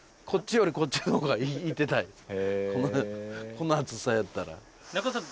この暑さやったら。